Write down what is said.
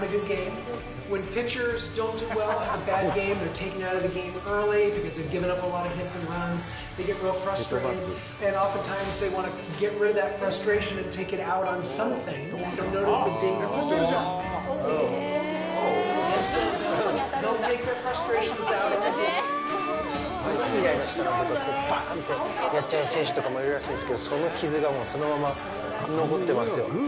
イライラしたら、バンってやっちゃう選手とかもいるらしいんですけど、その傷が、そのまま残ってますよ。